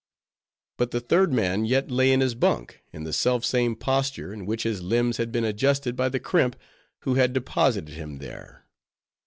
But the third man yet lay in his bunk, in the self same posture in which his limbs had been adjusted by the crimp, who had deposited him there.